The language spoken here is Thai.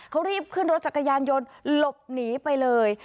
เขารีบขึ้นรถจักรยานยนต์หลบหนีไปเลย